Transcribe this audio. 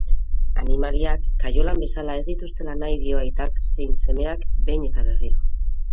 Animaliak kaiolan bezala ez dituztela nahi dio aitak zein semeak behin eta berriro.